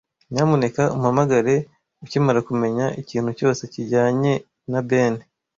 Nyamuneka umpamagare ukimara kumenya ikintu cyose kijyanye na Ben .